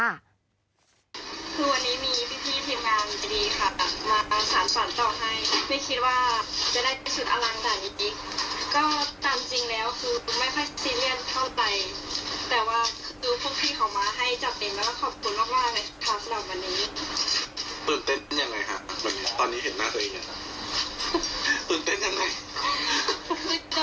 คือวันนี้มีพี่ทีมงานดีค่ะ